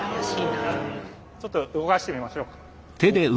ちょっと動かしてみましょうか。